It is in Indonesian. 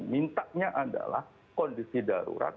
mintanya adalah kondisi darurat